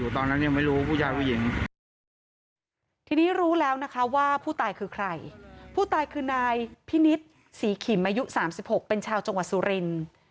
ทีนี้รู้แล้วนะคะว่าผู้ตายคือใครผู้ตายคือนายพี่นิดสีขิมอายุ๓๖เป็นชาวจังหวัดสุรินทร์